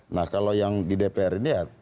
nah kalau yang di dpr ini ya